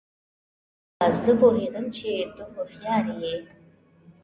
سیمونز وویل: شاباس، زه پوهیدم چي ته هوښیار يې.